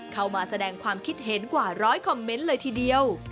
เข้ามาแสดงความคิดเห็นกว่าร้อยคอมเมนต์เลยทีเดียว